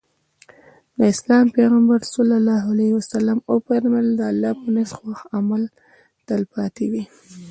د اسلام پيغمبر ص وفرمايل د الله په نزد خوښ عمل تلپاتې وي.